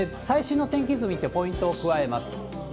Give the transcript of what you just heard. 最新の天気図見てポイントを加えます。